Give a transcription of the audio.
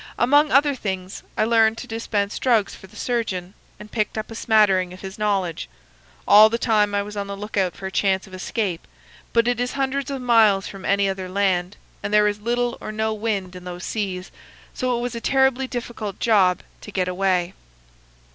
Among other things, I learned to dispense drugs for the surgeon, and picked up a smattering of his knowledge. All the time I was on the lookout for a chance of escape; but it is hundreds of miles from any other land, and there is little or no wind in those seas: so it was a terribly difficult job to get away.